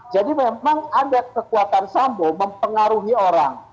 memang ada kekuatan sambo mempengaruhi orang